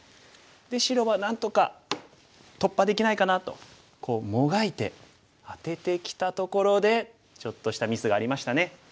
で白はなんとか突破できないかなとこうもがいてアテてきたところでちょっとしたミスがありましたね。